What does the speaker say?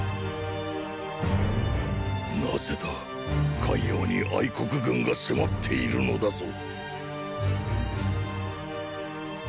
なぜだ咸陽に国軍が迫っているのだぞ！